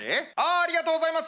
ありがとうございます。